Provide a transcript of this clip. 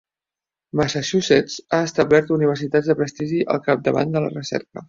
Massachusetts ha establert universitats de prestigi al capdavant de la recerca.